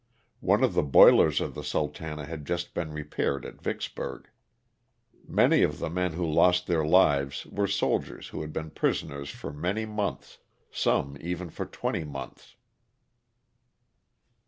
One of the boilers of the Sultana had just been re paired at Vicksburg. Many of the men who lost their lives were soldiers who had been prisoners for many months, some even for twenty months.